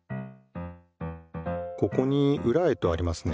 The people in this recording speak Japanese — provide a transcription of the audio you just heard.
ここに「ウラへ」とありますね。